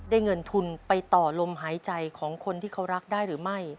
เงินทุนไปต่อลมหายใจของคนที่เขารักได้หรือไม่